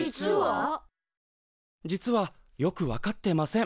実はよく分かってません。